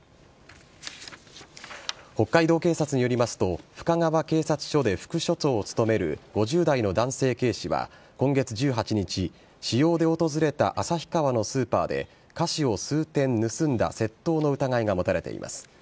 北海道警察によりますと深川警察署で副社長を務める５０代の男性警視は今月１８日私用で訪れた旭川のスーパーで菓子を数点盗んだ窃盗の疑いが持たれています。